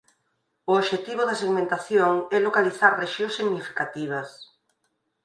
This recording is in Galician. O obxectivo da segmentación é localizar rexións significativas.